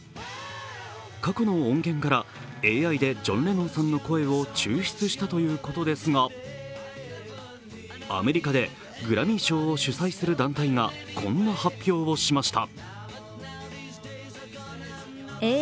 過去の音源から、ＡＩでジョン・レノンさんの声を抽出したということですがアメリカでグラミー賞を主催する団体がこんな発表をしました。